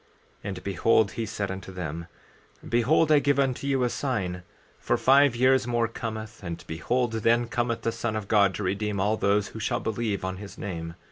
14:2 And behold, he said unto them: Behold, I give unto you a sign; for five years more cometh, and behold, then cometh the Son of God to redeem all those who shall believe on his name.